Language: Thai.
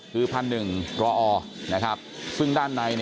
คุณภูริพัฒน์บุญนิน